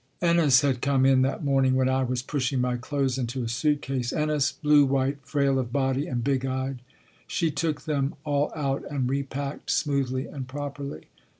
Ennis had come in that morning when I was push ing my clothes into a suitcase Ennis, blue white, frail of body, and big tayed. She took them all out and repacked, smoothly and properly.